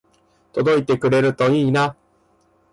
届いてくれるといいな